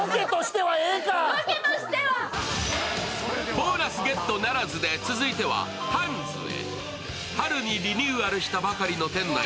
ボーナスゲットならずで続いてはハンズへ。